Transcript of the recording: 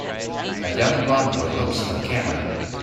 A young blond boy looks through a camera.